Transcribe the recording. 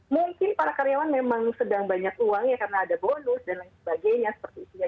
mungkin para karyawan memang sedang banyak uang ya karena ada bonus dan lain sebagainya seperti itu ya